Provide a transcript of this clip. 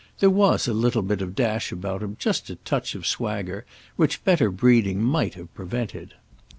There was a little bit of dash about him, just a touch of swagger, which better breeding might have prevented.